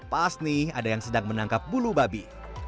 pas nih ada yang sedang menangkap bulu babi